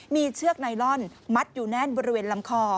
มีเชือกไนลอนมัดอยู่แน่นบริเวณลำคอ